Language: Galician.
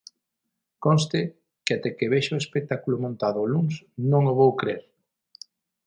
Conste que até que vexa o espectáculo montado o luns, non o vou crer.